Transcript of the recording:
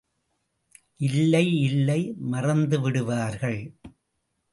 இல்லை இல்லை மறந்துவிடுவார்கள்.